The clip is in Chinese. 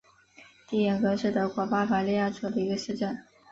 蒂廷格是德国巴伐利亚州的一个市镇。